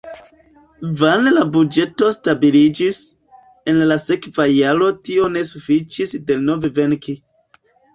Vane la buĝeto stabiliĝis, en la sekva jaro tio ne sufiĉis denove venki.